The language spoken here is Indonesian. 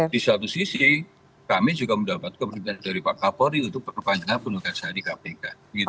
di satu sisi kami juga mendapat kepentingan dari pak kapolri untuk perpanjangan penugasan di kpk